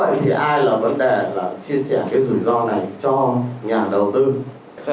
vậy thì ai là vấn đề là chia sẻ cái rủi ro này cho nhà đầu tư